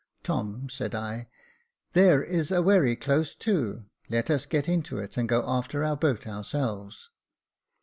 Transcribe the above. *' Tom," said I, *' there is a wherry close to, let us get into it, and go after our boat ourselves."